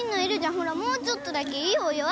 ほらもうちょっとだけいようよ。